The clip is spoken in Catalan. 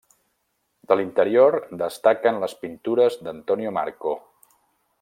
De l'interior destaquen les pintures d'Antonio Marco.